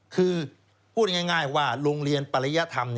คือพูดง่ายว่าโรงเรียนปริยธรรม